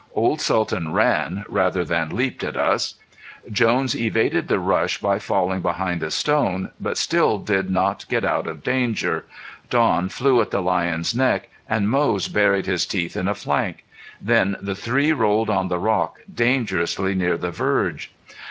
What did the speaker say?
Old Sultan ran rather than leaped at us. Jones evaded the rush by falling behind a stone, but still did not get out of danger. Don flew at the lion's neck and Moze buried his teeth in a flank. Then the three rolled on the rock dangerously near the verge.